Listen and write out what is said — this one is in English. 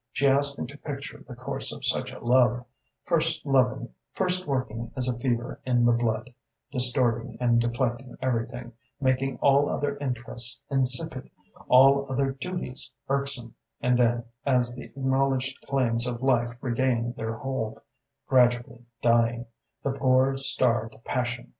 She asked me to picture the course of such a love: first working as a fever in the blood, distorting and deflecting everything, making all other interests insipid, all other duties irksome, and then, as the acknowledged claims of life regained their hold, gradually dying the poor starved passion!